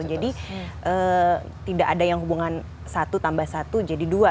jadi tidak ada yang hubungan satu tambah satu jadi dua